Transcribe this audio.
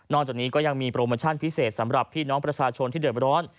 จากนี้ก็ยังมีโปรโมชั่นพิเศษสำหรับพี่น้องประชาชนที่เดือดร้อน